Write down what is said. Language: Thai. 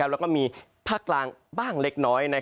แล้วก็มีภาคกลางบ้างเล็กน้อย